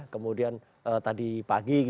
kemudian tadi pagi